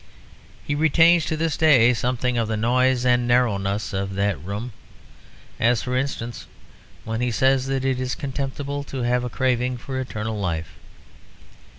He retains to this day something of the noise and narrowness of that room; as, for instance, when he says that it is contemptible to have a craving for eternal life.